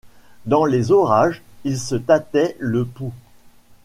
Dans les orages, il se tâtait le pouls.